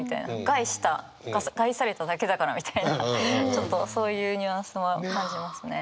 害した害されただけだからみたいなちょっとそういうニュアンスも感じますね。